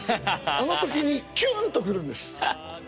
あの時にキュン！と来るんです。